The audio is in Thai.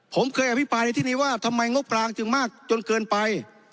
ผมเคยอภิปรายในที่นี้ว่าทำไมงบกลางจึงมากจนเกินไป